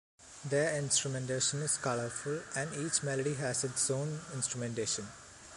Their instrumentation is colorful and each melody has its own instrumentation.